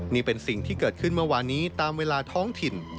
นี่เป็นสิ่งที่เกิดขึ้นเมื่อวานนี้ตามเวลาท้องถิ่น